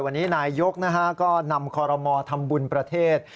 วันนี้นายยกก็นำคอรมอทำบุญประเทศ